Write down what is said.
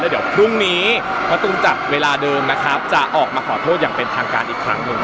แล้วเดี๋ยวพรุ่งนี้ตั๋วตุ๋นจัดเวลาเดิมนะครับจะออกมาขอโทษอย่างเป็นทางการอีกครั้ง